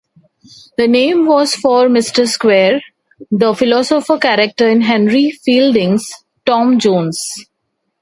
The name was for Mr. Square, the philosopher character in Henry Fielding's "Tom Jones".